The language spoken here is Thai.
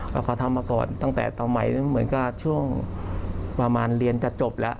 ว่าเขาทำมาก่อนตั้งแต่ตอนใหม่เหมือนกับช่วงประมาณเรียนจะจบแล้ว